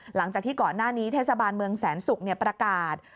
หลังจากที่ก่อนหน้านี้เทศบาลเมืองแสนศุกร์ประกาศ